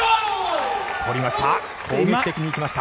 取りました。